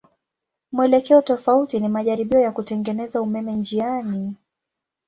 Mwelekeo tofauti ni majaribio ya kutengeneza umeme njiani.